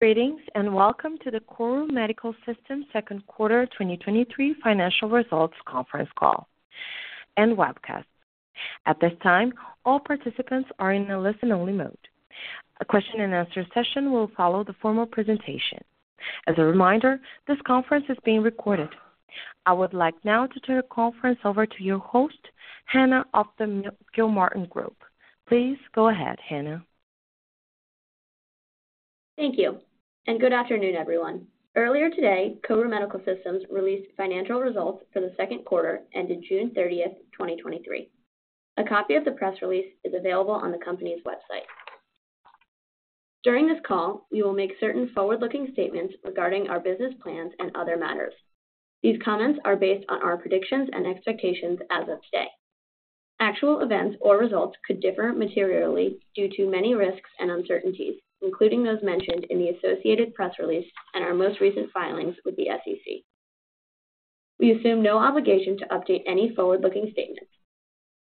Greetings, welcome to the KORU Medical Systems second quarter 2023 financial results conference call and webcast. At this time, all participants are in a listen-only mode. A question and answer session will follow the formal presentation. As a reminder, this conference is being recorded. I would like now to turn the conference over to your host, Hannah of the Gilmartin Group. Please go ahead, Hannah. Thank you, good afternoon, everyone. Earlier today, KORU Medical Systems released financial results for the second quarter ended June 30, 2023. A copy of the press release is available on the company's website. During this call, we will make certain forward-looking statements regarding our business plans and other matters. These comments are based on our predictions and expectations as of today. Actual events or results could differ materially due to many risks and uncertainties, including those mentioned in the associated press release and our most recent filings with the SEC. We assume no obligation to update any forward-looking statements.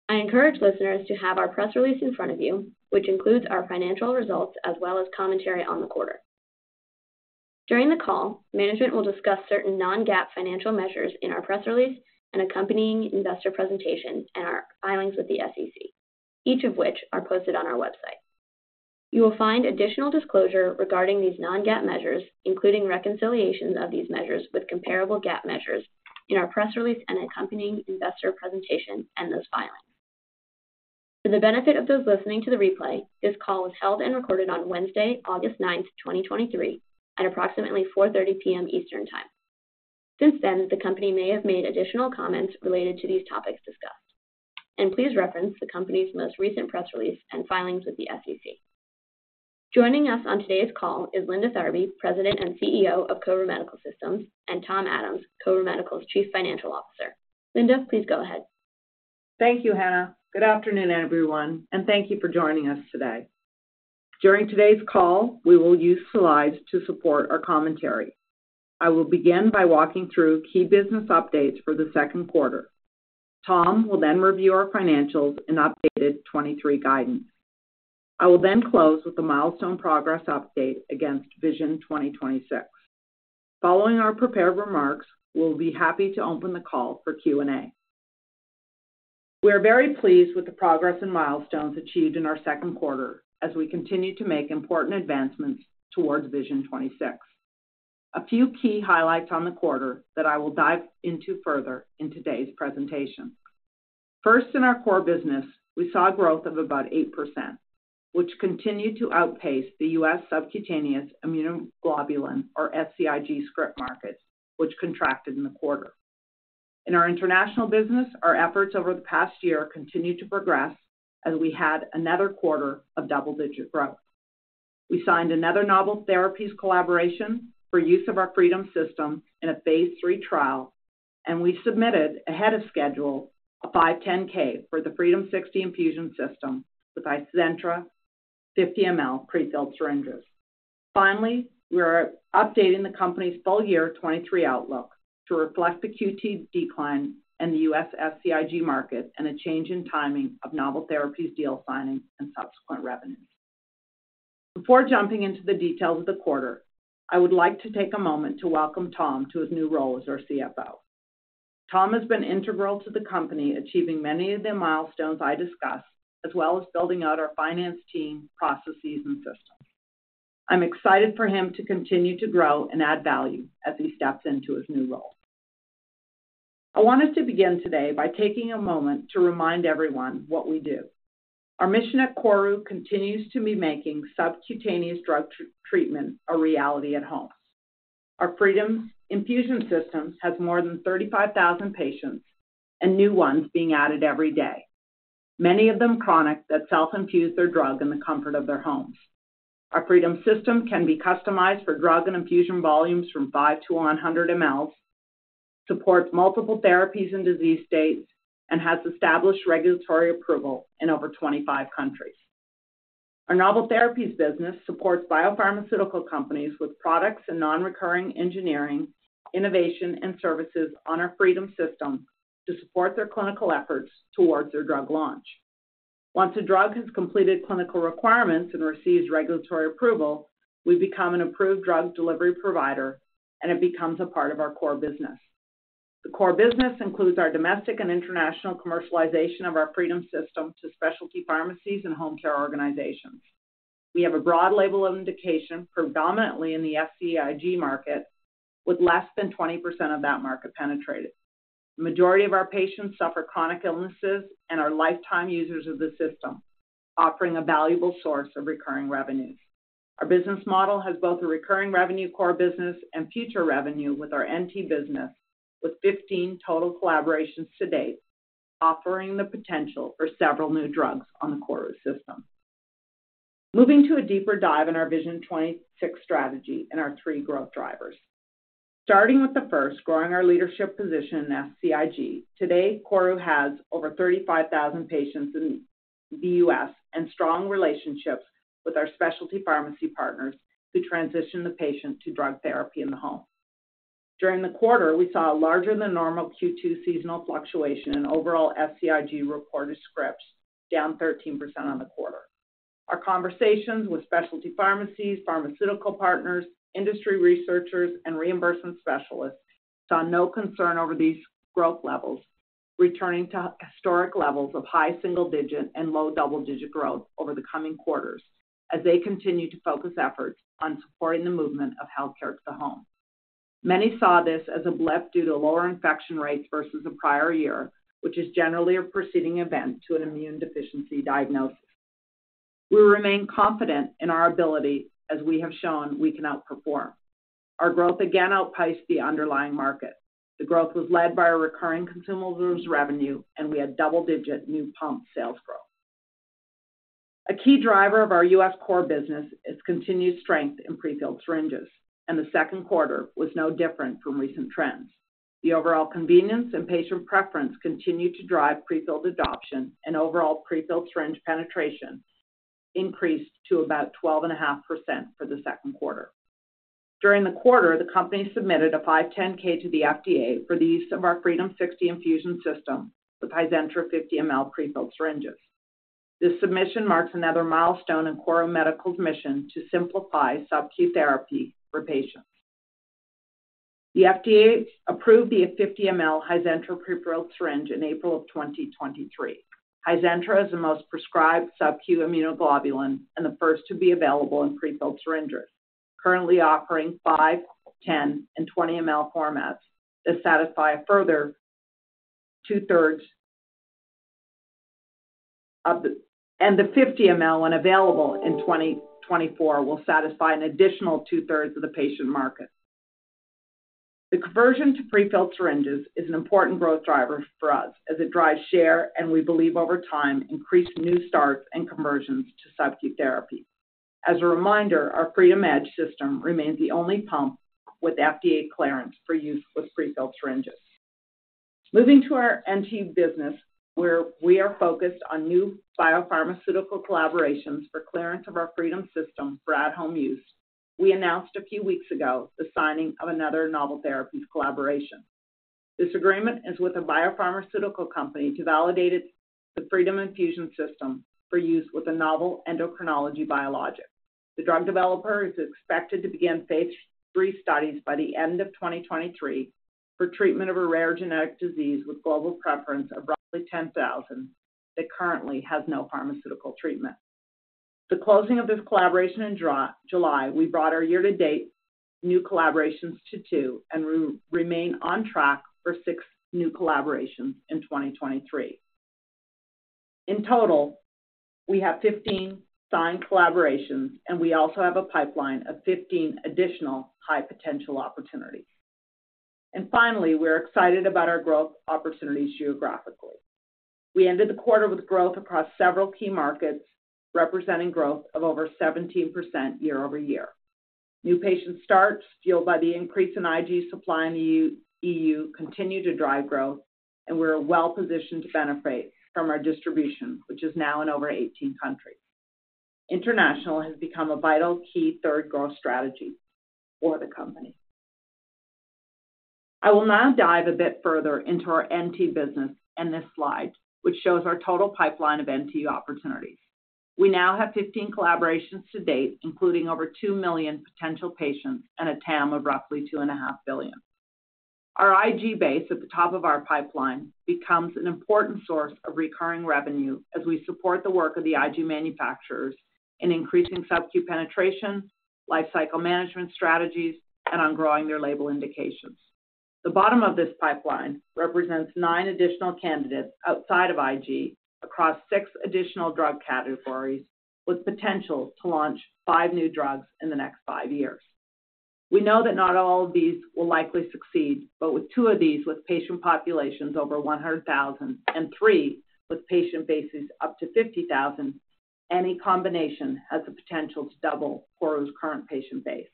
I encourage listeners to have our press release in front of you, which includes our financial results as well as commentary on the quarter. During the call, management will discuss certain non-GAAP financial measures in our press release and accompanying investor presentation and our filings with the SEC, each of which are posted on our website. You will find additional disclosure regarding these non-GAAP measures, including reconciliations of these measures with comparable GAAP measures, in our press release and accompanying investor presentation and those filings. For the benefit of those listening to the replay, this call was held and recorded on Wednesday, August 9, 2023, at approximately 4:30 P.M. Eastern Time. Since then, the company may have made additional comments related to these topics discussed. Please reference the company's most recent press release and filings with the SEC. Joining us on today's call is Linda Tharby, President and CEO of KORU Medical Systems, and Tom Adams, KORU Medical's Chief Financial Officer. Linda, please go ahead. Thank you, Hannah. Good afternoon, everyone, and thank you for joining us today. During today's call, we will use slides to support our commentary. I will begin by walking through key business updates for the second quarter. Tom will review our financials and updated 2023 guidance. I will close with a milestone progress update against Vision 2026. Following our prepared remarks, we'll be happy to open the call for Q&A. We are very pleased with the progress and milestones achieved in our second quarter as we continue to make important advancements towards Vision 2026. A few key highlights on the quarter that I will dive into further in today's presentation. First, in our core business, we saw a growth of about 8%, which continued to outpace the US subcutaneous immunoglobulin, or SCIg, script market, which contracted in the quarter. In our international business, our efforts over the past year continued to progress as we had another quarter of double-digit growth. We signed another novel therapies collaboration for use of our Freedom System in a phase III trial, and we submitted ahead of schedule a 510(k) for the FREEDOM60 Infusion System with Hizentra 50 ml prefilled syringes. Finally, we are updating the company's full year 2023 outlook to reflect the Q2 decline in the US SCIg market and a change in timing of novel therapies deal signings and subsequent revenue. Before jumping into the details of the quarter, I would like to take a moment to welcome Tom to his new role as our CFO. Tom has been integral to the company, achieving many of the milestones I discussed, as well as building out our finance team, processes, and systems. I'm excited for him to continue to grow and add value as he steps into his new role. I want us to begin today by taking a moment to remind everyone what we do. Our mission at KORU continues to be making subcutaneous drug treatment a reality at home. Our Freedom Infusion System has more than 35,000 patients and new ones being added every day, many of them chronic, that self-infuse their drug in the comfort of their homes. Our Freedom System can be customized for drug and infusion volumes from five to 100 ml, supports multiple therapies and disease states, and has established regulatory approval in over 25 countries. Our novel therapies business supports biopharmaceutical companies with products and non-recurring engineering, innovation, and services on our Freedom System to support their clinical efforts towards their drug launch. Once a drug has completed clinical requirements and receives regulatory approval, we become an approved drug delivery provider, and it becomes a part of our core business. The core business includes our domestic and international commercialization of our Freedom System to specialty pharmacies and home care organizations. We have a broad label of indication, predominantly in the SCIg market, with less than 20% of that market penetrated. The majority of our patients suffer chronic illnesses and are lifetime users of the system, offering a valuable source of recurring revenue. Our business model has both a recurring revenue core business and future revenue with our NT business, with 15 total collaborations to date, offering the potential for several new drugs on the KORU system. Moving to a deeper dive in our Vision 2026 strategy and our three growth drivers. Starting with the first, growing our leadership position in SCIg. Today, KORU has over 35,000 patients in the U.S. and strong relationships with our specialty pharmacy partners to transition the patient to drug therapy in the home.... During the quarter, we saw a larger than normal Q2 seasonal fluctuation in overall SCIg reported scripts, down 13% on the quarter. Our conversations with specialty pharmacies, pharmaceutical partners, industry researchers, and reimbursement specialists saw no concern over these growth levels, returning to historic levels of high single-digit and low double-digit growth over the coming quarters as they continue to focus efforts on supporting the movement of healthcare to the home. Many saw this as a blip due to lower infection rates versus the prior year, which is generally a preceding event to an immune deficiency diagnosis. We remain confident in our ability, as we have shown, we can outperform. Our growth again outpaced the underlying market. The growth was led by our recurring consumables revenue, and we had double-digit new pump sales growth. A key driver of our US core business is continued strength in pre-filled syringes, and the second quarter was no different from recent trends. The overall convenience and patient preference continued to drive pre-filled adoption, and overall pre-filled syringe penetration increased to about 12.5% for the second quarter. During the quarter, the company submitted a 510(k) to the FDA for the use of our FREEDOM60 Infusion System with Hizentra 50 ml pre-filled syringes. This submission marks another milestone in KORU Medical's mission to simplify subQ therapy for patients. The FDA approved the 50 ml Hizentra pre-filled syringe in April of 2023. Hizentra is the most prescribed subQ immunoglobulin and the first to be available in pre-filled syringes, currently offering five, 10, and 20 ml formats that satisfy a further two-thirds of the -- and the 50 ml, when available in 2024, will satisfy an additional two-thirds of the patient market. The conversion to pre-filled syringes is an important growth driver for us as it drives share, and we believe over time, increased new starts and conversions to subQ therapy. As a reminder, our FreedomEdge system remains the only pump with FDA clearance for use with pre-filled syringes. Moving to our NT business, where we are focused on new biopharmaceutical collaborations for clearance of our Freedom System for at-home use. We announced a few weeks ago the signing of another novel therapies collaboration. This agreement is with a biopharmaceutical company to validate its the Freedom Infusion System for use with a novel endocrinology biologic. The drug developer is expected to begin phase III studies by the end of 2023 for treatment of a rare genetic disease with global preference of roughly 10,000, that currently has no pharmaceutical treatment. The closing of this collaboration in July, we brought our year-to-date new collaborations to two and remain on track for six new collaborations in 2023. In total, we have 15 signed collaborations, and we also have a pipeline of 15 additional high-potential opportunities. Finally, we're excited about our growth opportunities geographically. We ended the quarter with growth across several key markets, representing growth of over 17% year-over-year. New patient starts, fueled by the increase in IG supply in the EU, continue to drive growth. We're well-positioned to benefit from our distribution, which is now in over 18 countries. International has become a vital key third growth strategy for the company. I will now dive a bit further into our NT business in this slide, which shows our total pipeline of NT opportunities. We now have 15 collaborations to date, including over 2 million potential patients and a TAM of roughly $2.5 billion. Our IG base at the top of our pipeline becomes an important source of recurring revenue as we support the work of the IG manufacturers in increasing subQ penetration, lifecycle management strategies, and on growing their label indications. The bottom of this pipeline represents nine additional candidates outside of IG across 6 additional drug categories, with potential to launch five new drugs in the next five years. We know that not all of these will likely succeed, but with two of these with patient populations over 100,000 and three with patient bases up to 50,000, any combination has the potential to double KORU's current patient base.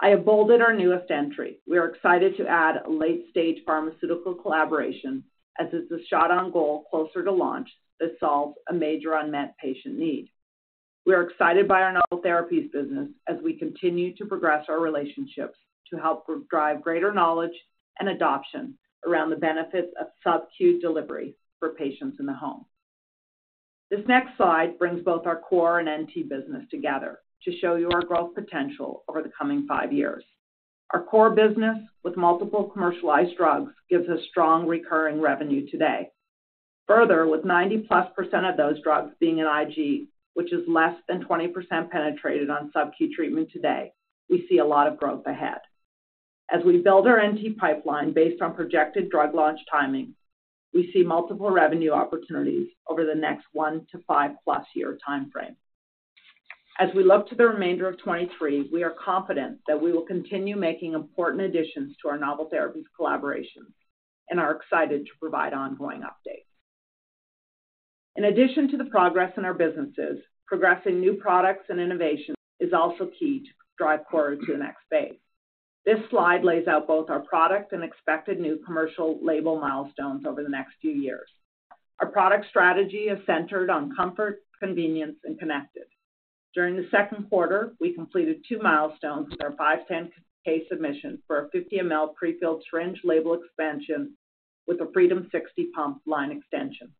I have bolded our newest entry. We are excited to add a late-stage pharmaceutical collaboration as it's a shot on goal closer to launch that solves a major unmet patient need. We are excited by our novel therapies business as we continue to progress our relationships to help drive greater knowledge and adoption around the benefits of subQ delivery for patients in the home. This next slide brings both our core and NT business together to show you our growth potential over the coming five years. Our core business, with multiple commercialized drugs, gives us strong recurring revenue today. Further, with 90%+ of those drugs being in IG, which is less than 20% penetrated on subQ treatment today, we see a lot of growth ahead. As we build our NT pipeline based on projected drug launch timing, we see multiple revenue opportunities over the next one to 5+ year timeframe. As we look to the remainder of 2023, we are confident that we will continue making important additions to our novel therapies collaborations and are excited to provide ongoing updates. In addition to the progress in our businesses, progressing new products and innovation is also key to drive KORU to the next phase. This slide lays out both our product and expected new commercial label milestones over the next few years. Our product strategy is centered on comfort, convenience, and connected.... During the second quarter, we completed two milestones with our 510(k) submission for a 50 ml prefilled syringe label expansion with a FREEDOM60 pump line extension.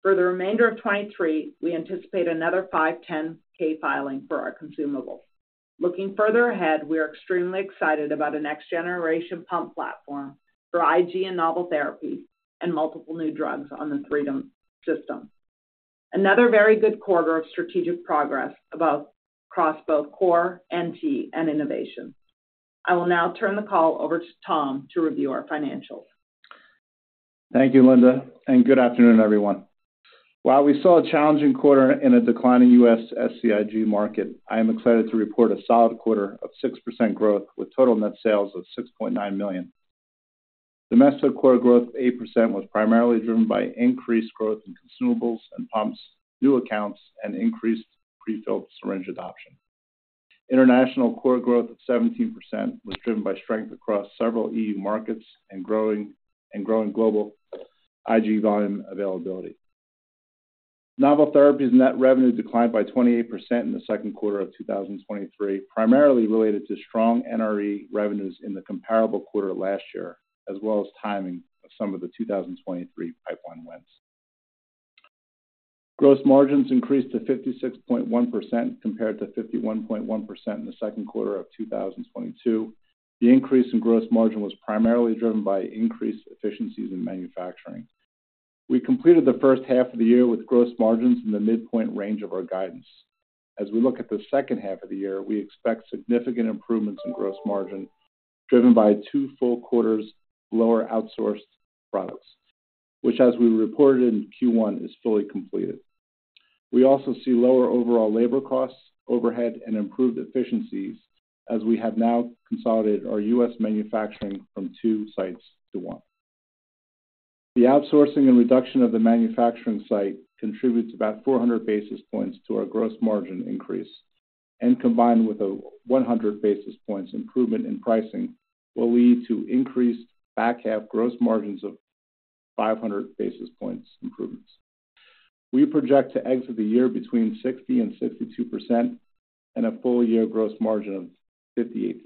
For the remainder of 2023, we anticipate another 510(k) filing for our consumable. Looking further ahead, we are extremely excited about the next generation pump platform for IG and novel therapies and multiple new drugs on the Freedom System. Another very good quarter of strategic progress about across both core, NT, and innovation. I will now turn the call over to Tom to review our financials. Thank you, Linda, and good afternoon, everyone. While we saw a challenging quarter in a declining US SCIg market, I am excited to report a solid quarter of 6% growth with total net sales of $6.9 million. Domestic core growth of 8% was primarily driven by increased growth in consumables and pumps, new accounts, and increased prefilled syringe adoption. International core growth of 17% was driven by strength across several EU markets and growing global IG volume availability. Novel therapies net revenue declined by 28% in the second quarter of 2023, primarily related to strong NRE revenues in the comparable quarter last year, as well as timing of some of the 2023 pipeline wins. Gross margins increased to 56.1% compared to 51.1% in the second quarter of 2022. The increase in gross margin was primarily driven by increased efficiencies in manufacturing. We completed the first half of the year with gross margins in the midpoint range of our guidance. As we look at the second half of the year, we expect significant improvements in gross margin, driven by two full quarters lower outsourced products, which, as we reported in Q1, is fully completed. We also see lower overall labor costs, overhead, and improved efficiencies as we have now consolidated our US manufacturing from two sites to one. The outsourcing and reduction of the manufacturing site contributes about 400 basis points to our gross margin increase, combined with a 100 basis points improvement in pricing, will lead to increased back half gross margins of 500 basis points improvements. We project to exit the year between 60% and 62% and a full year gross margin of 58%-60%.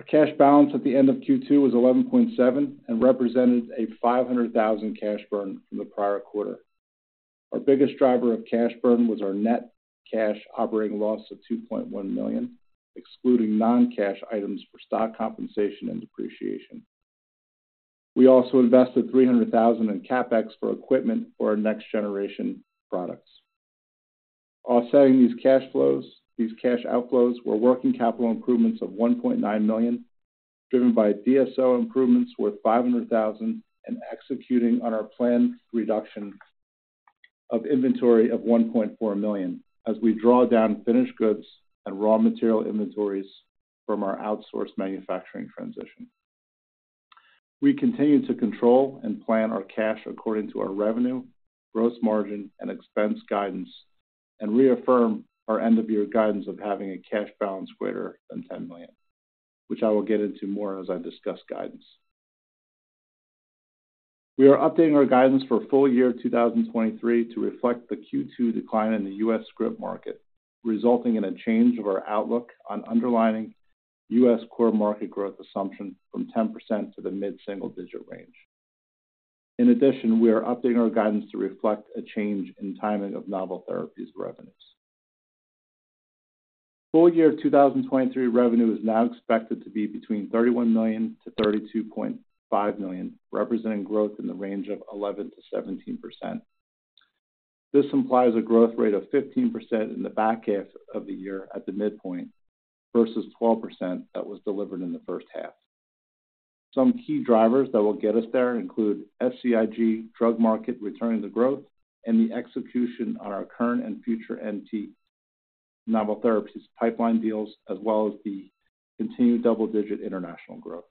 Our cash balance at the end of Q2 was $11.7 million and represented a $500,000 cash burn from the prior quarter. Our biggest driver of cash burn was our net cash operating loss of $2.1 million, excluding non-cash items for stock compensation and depreciation. We also invested $300,000 in CapEx for equipment for our next generation products. Offsetting these cash flows, these cash outflows, were working capital improvements of $1.9 million, driven by DSO improvements worth $500,000 and executing on our planned reduction of inventory of $1.4 million as we draw down finished goods and raw material inventories from our outsourced manufacturing transition. We continue to control and plan our cash according to our revenue, gross margin, and expense guidance, and reaffirm our end-of-year guidance of having a cash balance greater than $10 million, which I will get into more as I discuss guidance. We are updating our guidance for full year 2023 to reflect the Q2 decline in the US script market, resulting in a change of our outlook on underlying US core market growth assumption from 10% to the mid-single-digit range. we are updating our guidance to reflect a change in timing of novel therapies revenues. Full year 2023 revenue is now expected to be between $31 million-$32.5 million, representing growth in the range of 11%-17%. This implies a growth rate of 15% in the back half of the year at the midpoint, versus 12% that was delivered in the first half. Some key drivers that will get us there include SCIg drug market returning to growth and the execution on our current and future NT novel therapies pipeline deals, as well as the continued double-digit international growth.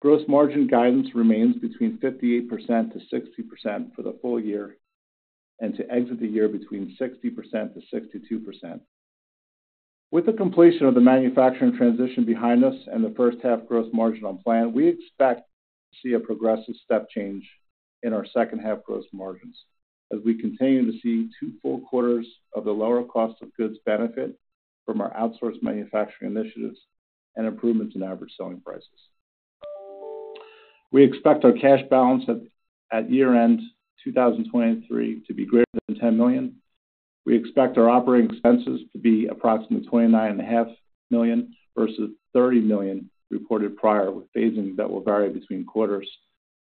Gross margin guidance remains between 58%-60% for the full year, and to exit the year between 60%-62%. With the completion of the manufacturing transition behind us and the first half gross margin on plan, we expect to see a progressive step change in our second half gross margins as we continue to see two full quarters of the lower cost of goods benefit from our outsourced manufacturing initiatives and improvements in average selling prices. We expect our cash balance at year-end 2023 to be greater than $10 million. We expect our operating expenses to be approximately $29.5 million, versus $30 million reported prior, with phasing that will vary between quarters,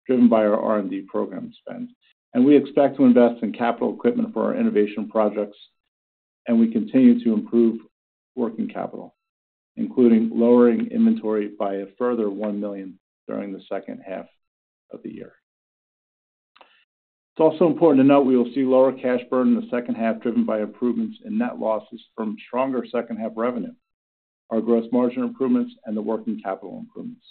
driven by our R&D program spend. We expect to invest in capital equipment for our innovation projects, and we continue to improve working capital, including lowering inventory by a further $1 million during the second half of the year. It's also important to note we will see lower cash burn in the second half, driven by improvements in net losses from stronger second half revenue, our gross margin improvements, and the working capital improvements.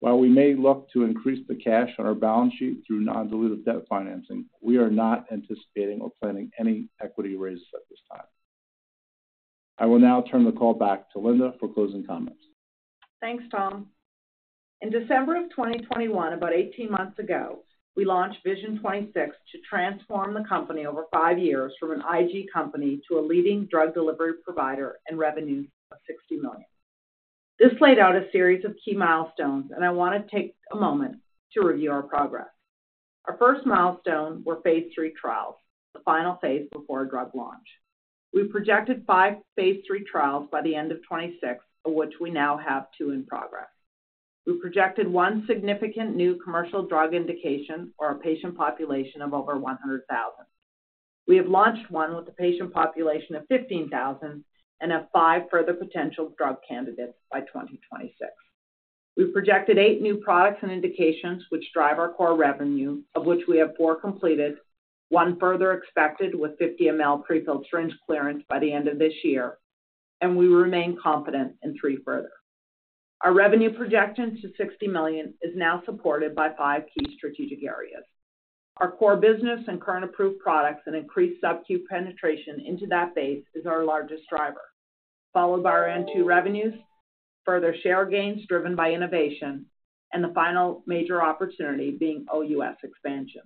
While we may look to increase the cash on our balance sheet through non-dilutive debt financing, we are not anticipating or planning any equity raises at this time. I will now turn the call back to Linda for closing comments. Thanks, Tom. In December of 2021, about 18 months ago, we launched Vision 2026 to transform the company over five years from an IG company to a leading drug delivery provider and revenue of $60 million. This laid out a series of key milestones, and I want to take a moment to review our progress. Our first milestone were phase III trials, the final phase before a drug launch. We projected five phase III trials by the end of 2026, of which we now have two in progress. We projected one significant new commercial drug indication for a patient population of over 100,000. We have launched one with a patient population of 15,000 and have five further potential drug candidates by 2026. We've projected eight new products and indications which drive our core revenue, of which we have four completed, one further expected with 50 ml prefilled syringe clearance by the end of this year, and we remain confident in three further. Our revenue projection to $60 million is now supported by five key strategic areas. Our core business and current approved products and increased subQ penetration into that base is our largest driver, followed by our NT revenues, further share gains driven by innovation, and the final major opportunity being OUS expansion.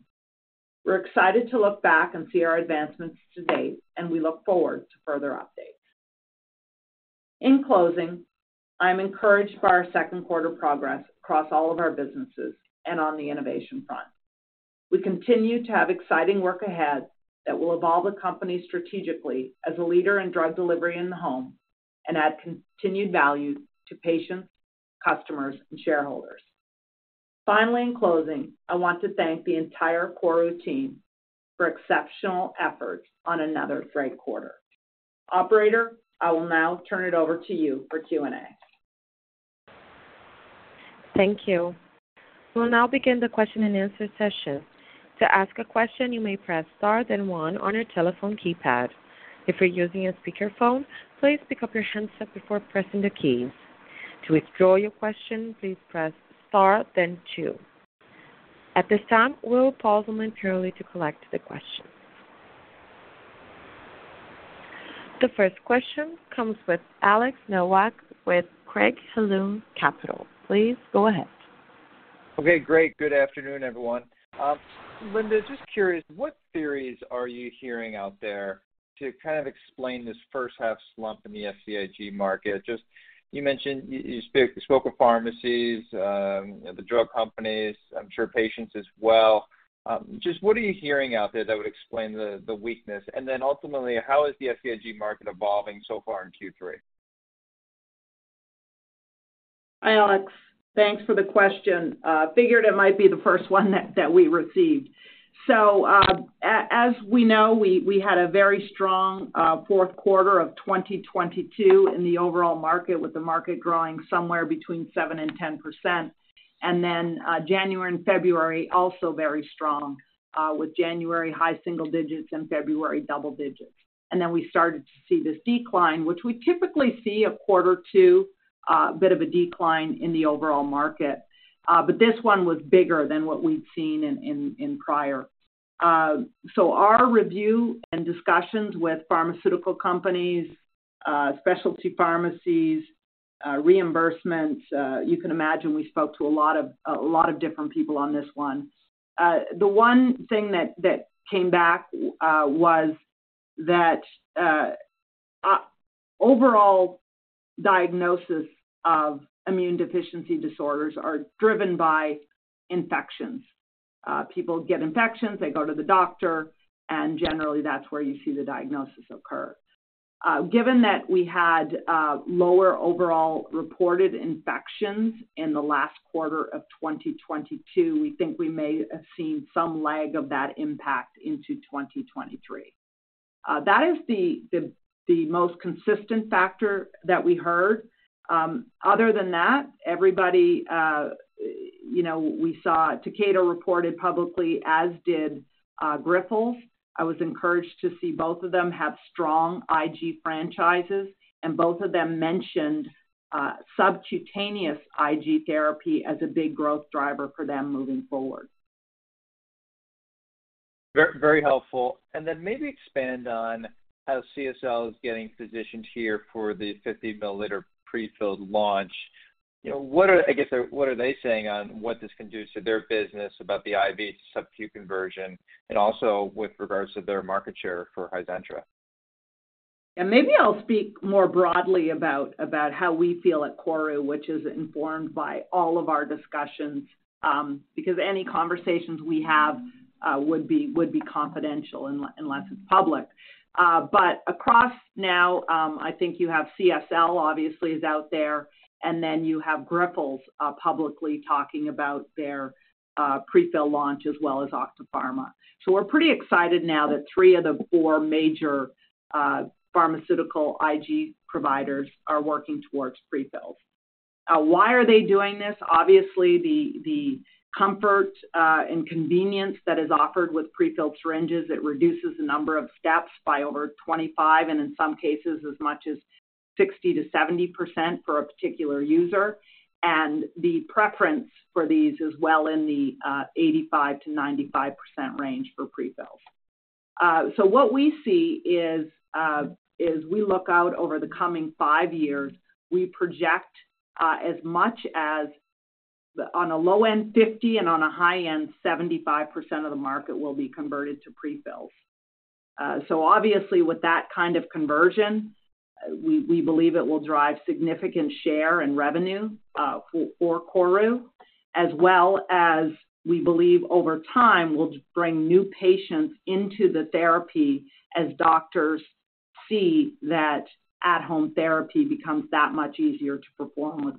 We're excited to look back and see our advancements to date, and we look forward to further updates. In closing, I'm encouraged by our second quarter progress across all of our businesses and on the innovation front. We continue to have exciting work ahead that will evolve the company strategically as a leader in drug delivery in the home and add continued value to patients, customers, and shareholders. Finally, in closing, I want to thank the entire KORU team for exceptional efforts on another great quarter. Operator, I will now turn it over to you for Q&A. Thank you. We'll now begin the question-and-answer session. To ask a question, you may press Star, then one on your telephone keypad. If you're using a speakerphone, please pick up your handset before pressing the keys. To withdraw your question, please press Star, then two. At this time, we will pause momentarily to collect the questions. The first question comes with Alex Nowak with Craig-Hallum Capital. Please go ahead. Okay, great. Good afternoon, everyone. Linda, just curious, what theories are you hearing out there to kind of explain this first half slump in the SCIg market? Just, you mentioned, you, you spoke with pharmacies, the drug companies, I'm sure patients as well. Just what are you hearing out there that would explain the, the weakness? Ultimately, how is the SCIg market evolving so far in Q3? Hi, Alex. Thanks for the question. Figured it might be the first one that, that we received. As we know, we, we had a very strong 4th quarter of 2022 in the overall market, with the market growing somewhere between 7%-10%. January and February also very strong, with January high single digits and February double digits. We started to see this decline, which we typically see a Q2 bit of a decline in the overall market. This one was bigger than what we've seen in, in, in prior. Our review and discussions with pharmaceutical companies, specialty pharmacies, reimbursements, you can imagine we spoke to a lot of, a lot of different people on this one. The one thing that, that came back, was that overall diagnosis of immune deficiency disorders are driven by infections. People get infections, they go to the doctor, and generally, that's where you see the diagnosis occur. Given that we had lower overall reported infections in the last quarter of 2022, we think we may have seen some lag of that impact into 2023. That is the, the, the most consistent factor that we heard. Other than that, everybody, you know, we saw Takeda reported publicly, as did Grifols. I was encouraged to see both of them have strong IG franchises, and both of them mentioned subcutaneous IG therapy as a big growth driver for them moving forward. Very helpful. Then maybe expand on how CSL is getting positioned here for the 50-milliliter prefilled launch. You know, I guess, what are they saying on what this can do to their business about the IV subQ conversion and also with regards to their market share for Hizentra? Maybe I'll speak more broadly about, about how we feel at KORU, which is informed by all of our discussions, because any conversations we have, would be, would be confidential unless it's public. Across now, I think you have CSL obviously is out there, and then you have Grifols, publicly talking about their prefill launch, as well as Octapharma. We're pretty excited now that three of the four major pharmaceutical IG providers are working towards prefills. Why are they doing this? Obviously, the, the comfort, and convenience that is offered with prefilled syringes, it reduces the number of steps by over 25, and in some cases as much as 50... 60%-70% for a particular user, and the preference for these is well in the 85%-95% range for pre-fills. What we see is, as we look out over the coming five years, we project, as much as on a low end, 50, and on a high end, 75% of the market will be converted to pre-fills. Obviously, with that kind of conversion, we, we believe it will drive significant share and revenue, for, for KORU. As well as we believe over time, we'll bring new patients into the therapy as doctors see that at-home therapy becomes that much easier to perform with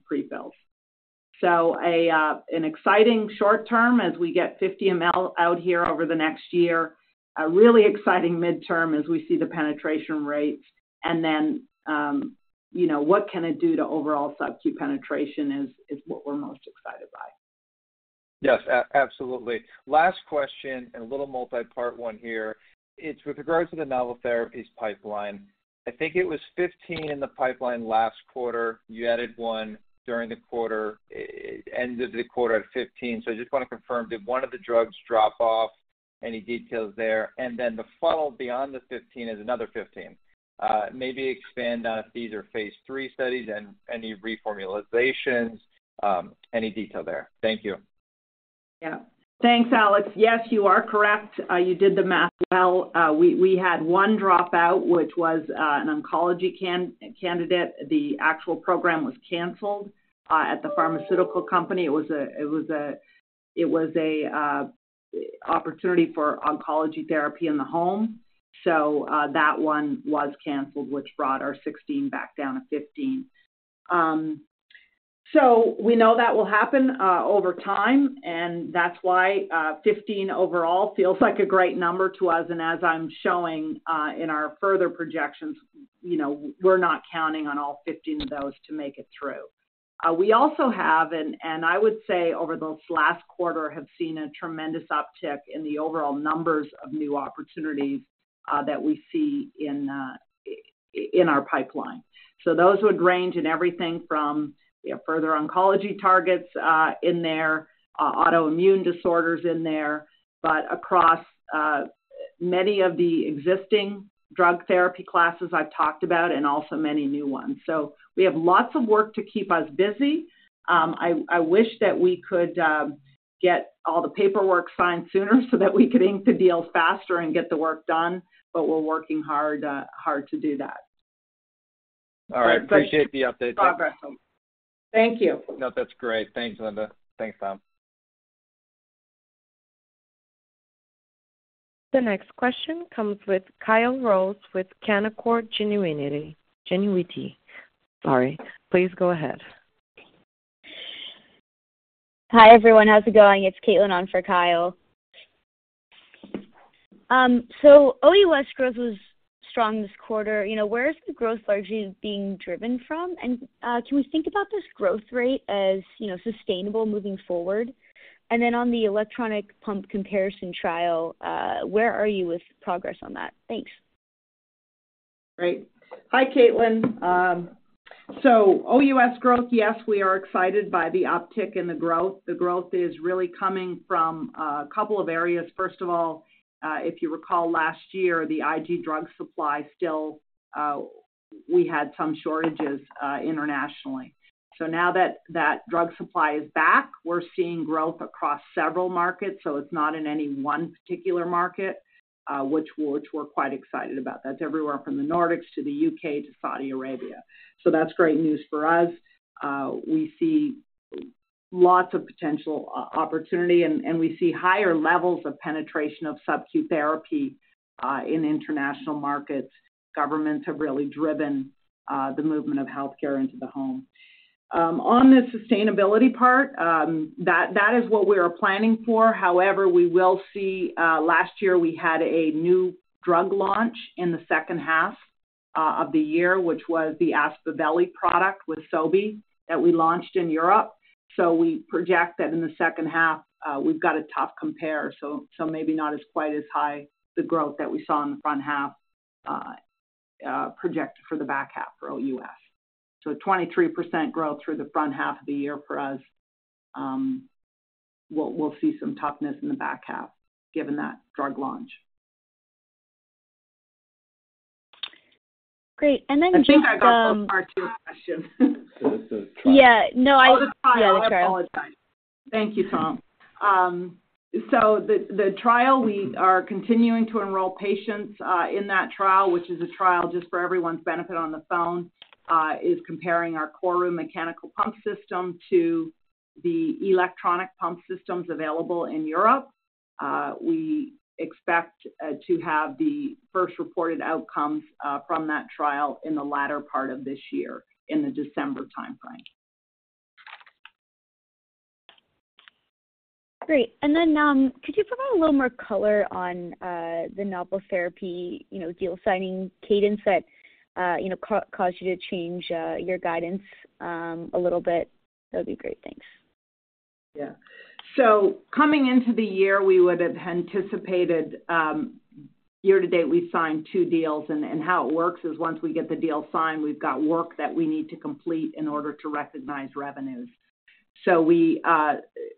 pre-fills. A, an exciting short term as we get 50 ml out here over the next year. A really exciting midterm as we see the penetration rates and then, you know, what can it do to overall subcu penetration is, is what we're most excited by. Yes, absolutely. Last question, and a little multi-part one here. It's with regards to the novel therapies pipeline. I think it was 15 in the pipeline last quarter. You added one during the quarter. It ended the quarter at 15. I just want to confirm, did one of the drugs drop off? Any details there, and then the funnel beyond the 15 is another 15. Maybe expand on if these are phase III studies and any reformulations, any detail there. Thank you. Yeah. Thanks, Alex. Yes, you are correct. You did the math well. We, we had one dropout, which was an oncology candidate. The actual program was canceled at the pharmaceutical company. It was an opportunity for oncology therapy in the home. That one was canceled, which brought our 16 back down to 15. We know that will happen over time, and that's why 15 overall feels like a great number to us. As I'm showing in our further projections, you know, we're not counting on all 15 of those to make it through. We also have, and I would say over this last quarter, have seen a tremendous uptick in the overall numbers of new opportunities that we see in our pipeline. Those would range in everything from further oncology targets in there, autoimmune disorders in there, but across many of the existing drug therapy classes I've talked about and also many new ones. We have lots of work to keep us busy. I, I wish that we could get all the paperwork signed sooner so that we could ink the deals faster and get the work done, but we're working hard, hard to do that. All right. Appreciate the update. Thank you. No, that's great. Thanks, Linda. Thanks, Tom. The next question comes with Kyle Rose with Canaccord Genuity, Genuity. Sorry. Please go ahead. Hi, everyone. How's it going? It's Caitlin on for Kyle. OUS growth was strong this quarter. You know, where is the growth largely being driven from? Can we think about this growth rate as, you know, sustainable moving forward? On the electronic pump comparison trial, where are you with progress on that? Thanks. Great. Hi, Caitlin. OUS growth, yes, we are excited by the uptick in the growth. The growth is really coming from a couple of areas. First of all, if you recall last year, the IG drug supply still, we had some shortages internationally. Now that that drug supply is back, we're seeing growth across several markets, so it's not in any one particular market, which we're, which we're quite excited about. That's everywhere from the Nordics to the U.K. to Saudi Arabia. That's great news for us. We see lots of potential opportunity, and, and we see higher levels of penetration of subQ therapy in international markets. Governments have really driven the movement of healthcare into the home. On the sustainability part, that, that is what we are planning for. However, we will see, last year, we had a new drug launch in the second half of the year, which was the Aspaveli product with Sobi that we launched in Europe. We project that in the second half, we've got a tough compare, so, so maybe not as quite as high, the growth that we saw in the front half, projected for the back half for OUS. A 23% growth through the front half of the year for us, we'll, we'll see some toughness in the back half, given that drug launch. Great. then just. I think I got the part two question. This is Kyle. Yeah, no. Oh, it's Kyle. Yeah, the Kyle. I apologize. Thank you, Tom. The, the trial, we are continuing to enroll patients in that trial, which is a trial just for everyone's benefit on the phone, is comparing our KORU mechanical pump system to the electronic pump systems available in Europe. We expect to have the first reported outcomes from that trial in the latter part of this year, in the December timeframe. Great. could you provide a little more color on the novel therapy, you know, deal signing cadence that, you know, caused you to change your guidance a little bit? That'd be great. Thanks. Yeah. Coming into the year, we would have anticipated, year to date, we signed two deals, and, and how it works is once we get the deal signed, we've got work that we need to complete in order to recognize revenues. We,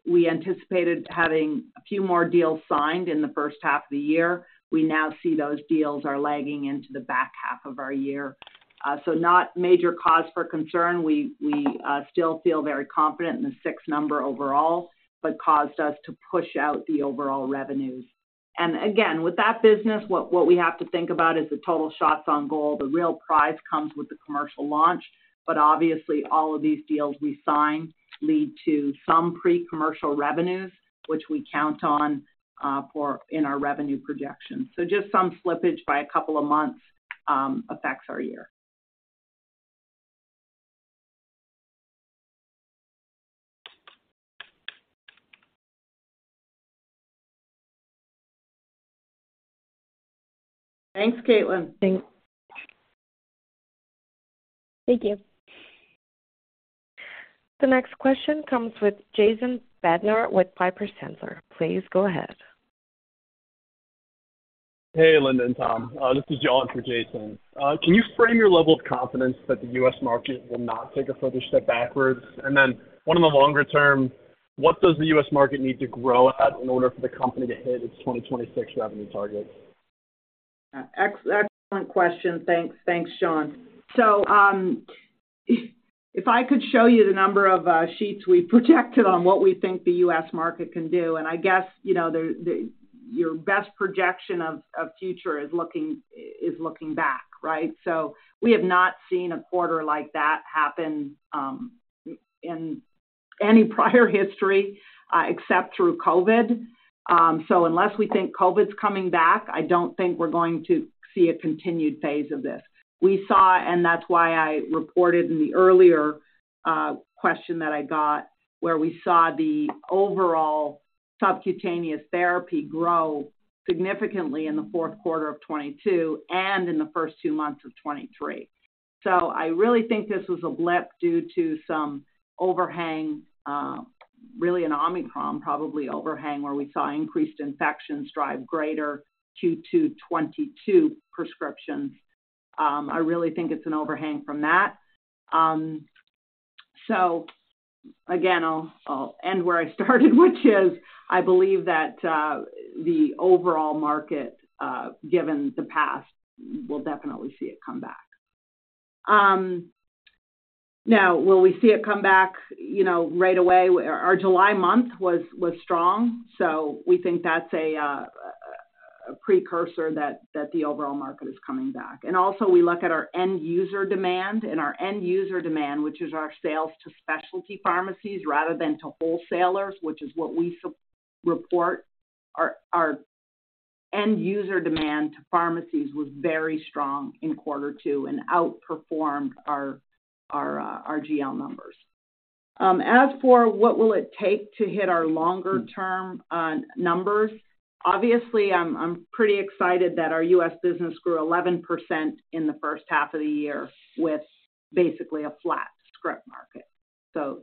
we anticipated having a few more deals signed in the first half of the year. We now see those deals are lagging into the back half of our year. Not major cause for concern. We, we still feel very confident in the six number overall, but caused us to push out the overall revenues. Again, with that business, what, what we have to think about is the total shots on goal. The real prize comes with the commercial launch, but obviously, all of these deals we sign lead to some pre-commercial revenues, which we count on for in our revenue projections. Just some slippage by a couple of months affects our year. Thanks, Caitlin. Thank you. The next question comes with Jason Bednar with Piper Sandler. Please go ahead. Hey, Linda and Tom, this is John for Jason. Can you frame your level of confidence that the US market will not take a further step backwards? More in the longer term, what does the US market need to grow at in order for the company to hit its 2026 revenue targets? Excellent question. Thanks. Thanks, Sean. If I could show you the number of sheets we projected on what we think the US market can do, and I guess, you know, your best projection of future is looking, is looking back, right? We have not seen a quarter like that happen in any prior history except through COVID. Unless we think COVID is coming back, I don't think we're going to see a continued phase of this. We saw, and that's why I reported in the earlier question that I got, where we saw the overall subcutaneous therapy grow significantly in the fourth quarter of 2022 and in the first two months of 2023. I really think this was a blip due to some overhang, really an Omicron, probably overhang, where we saw increased infections drive greater Q2 2022 prescriptions. I really think it's an overhang from that. Again, I'll, I'll end where I started, which is I believe that the overall market, given the past, we'll definitely see it come back. Now, will we see it come back, you know, right away? Our July month was, was strong, so we think that's a precursor that, that the overall market is coming back. Also, we look at our end user demand, and our end user demand, which is our sales to specialty pharmacies rather than to wholesalers, which is what we report. Our, our end user demand to pharmacies was very strong in Q2 and outperformed our, our GL numbers. As for what will it take to hit our longer-term numbers, obviously, I'm, I'm pretty excited that our US business grew 11% in the 1st half of the year with basically a flat script market.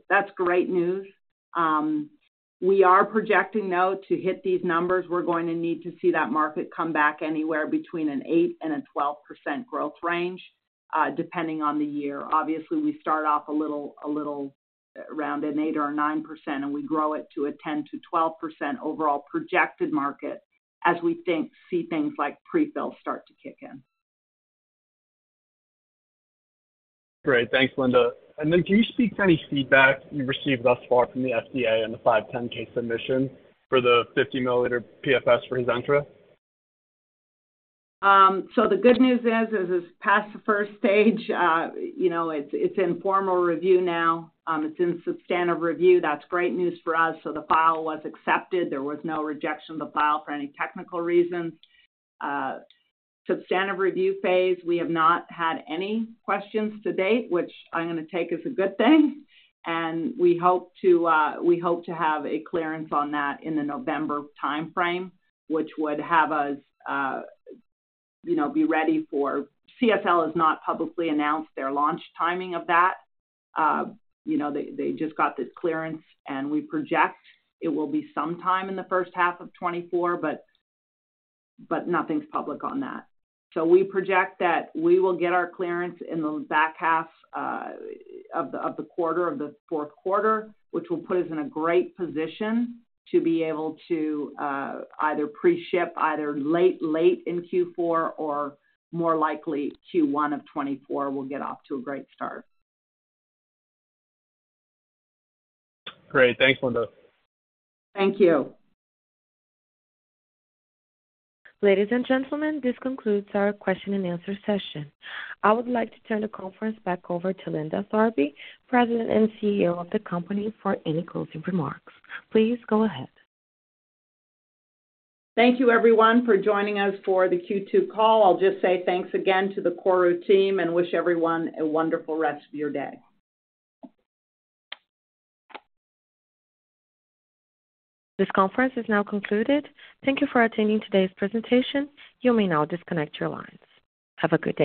That's great news. We are projecting, though, to hit these numbers, we're going to need to see that market come back anywhere between an 8%-12% growth range, depending on the year. Obviously, we start off a little, a little around an 8% or 9%, and we grow it to a 10%-12% overall projected market as we think, see things like pre-fill start to kick in. Great. Thanks, Linda. Then can you speak to any feedback you've received thus far from the FDA and the 510(k) submission for the 50-milliliter PFS for Hizentra? The good news is, is it's past the first stage. You know, it's, it's in formal review now. It's in substantive review. That's great news for us. The file was accepted. There was no rejection of the file for any technical reasons. Substantive review phase, we have not had any questions to date, which I'm going to take as a good thing. We hope to, we hope to have a clearance on that in the November timeframe, which would have us, you know, be ready for... CSL has not publicly announced their launch timing of that. You know, they, they just got this clearance, we project it will be sometime in the first half of 2024, but nothing's public on that. We project that we will get our clearance in the back half of the quarter, of the fourth quarter, which will put us in a great position to be able to either pre-ship either late, late in Q4 or more likely Q1 of 2024, we'll get off to a great start. Great. Thanks, Linda. Thank you. Ladies and gentlemen, this concludes our question and answer session. I would like to turn the conference back over to Linda Tharby, President and CEO of the company, for any closing remarks. Please go ahead. Thank you, everyone, for joining us for the Q2 call. I'll just say thanks again to the KORU team and wish everyone a wonderful rest of your day. This conference is now concluded. Thank you for attending today's presentation. You may now disconnect your lines. Have a good day.